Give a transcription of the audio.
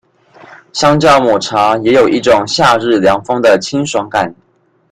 相較抹茶也有一種夏日涼風的清爽感